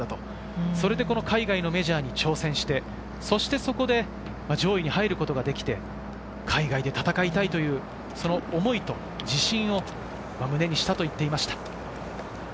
それで海外のメジャーに挑戦して、そしてそこで上位に入ることができて、海外で戦いたいという思いと自信を胸にしたと言っていました。